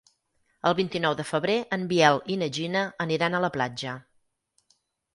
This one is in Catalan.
El vint-i-nou de febrer en Biel i na Gina aniran a la platja.